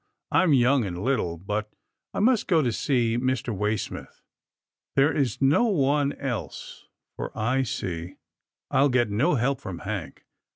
I'm young and little, but I must go to see Mr. Way smith. There is no one else, for I see I'll get no help from Hank.